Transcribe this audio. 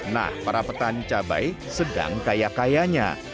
nah para petani cabai sedang kaya kayanya